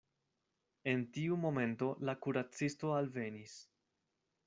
En tiu momento la kuracisto alvenis.